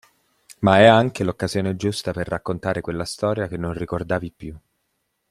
Ma è anche l'occasione giusta per raccontare quella storia che non ricordavi più.